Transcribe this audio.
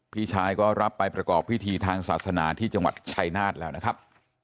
พี่ชายก็รับไปประกอบพิธีทางศาสนาที่จังหวัดชายนาฏแล้วนะครับ